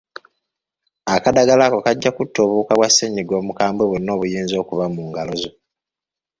Akadagala ako kajja kutta obuwuka bwa ssennyiga omukabwe bwonna obuyinza okuba mu ngalo zo.